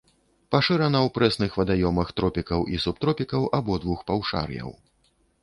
Пашырана ў прэсных вадаёмах тропікаў і субтропікаў абодвух паўшар'яў.